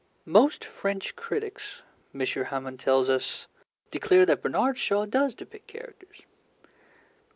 "Most French critics," M. Hamon tells us ... "declare that Bernard Shaw does depict characters.